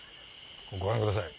ご覧ください